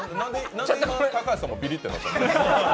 なんで今、高橋さんもビリってなったの？